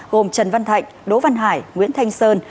gồm trần văn thạnh đỗ văn hải nguyễn thanh sơn